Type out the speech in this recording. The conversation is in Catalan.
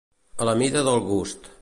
A la mida del gust.